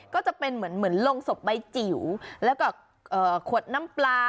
ก็จะเป็นเหมือนโรงศพใบจิ๋วแล้วก็ขวดน้ำปลา